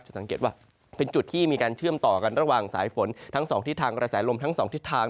สังเกตว่าเป็นจุดที่มีการเชื่อมต่อกันระหว่างสายฝนทั้งสองทิศทางกระแสลมทั้งสองทิศทาง